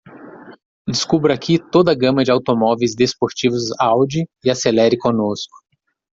Descubra aqui toda a gama de automóveis desportivos Audi e acelere connosco.